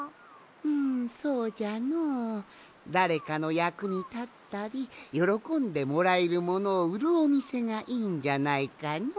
んそうじゃのだれかのやくにたったりよろこんでもらえるものをうるおみせがいいんじゃないかの？